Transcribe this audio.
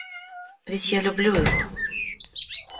Ведь я люблю его.